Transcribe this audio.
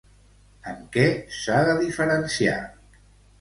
Amb què s'ha de diferenciar?